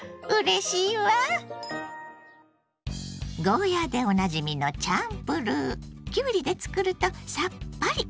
ゴーヤーでおなじみのチャンプルーきゅうりでつくるとさっぱり！